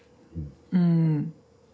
うん。